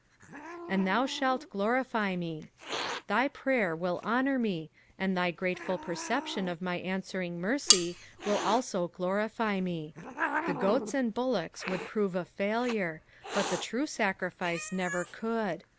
^'And thou thalt glorify nu." Thy prayer wilt honoar me, and tliy f^rateful ueiception of my answering mercy wilt also glorify me. Tl)e goats and buUockH would prove a failure, but the true sacnfice never could.